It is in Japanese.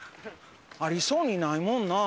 ありそうにないもんなあ。